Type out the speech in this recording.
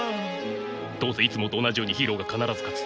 どうせいつもと同じようにヒーローが必ず勝つ。